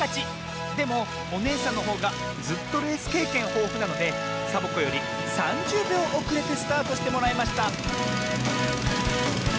でもおねえさんのほうがずっとレースけいけんほうふなのでサボ子より３０びょうおくれてスタートしてもらいました